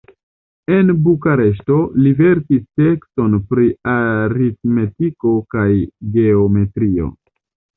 En Bukareŝto li verkis tekston pri aritmetiko kaj geometrio.